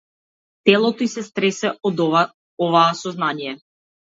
Телото ѝ се стресе од оваа сознание.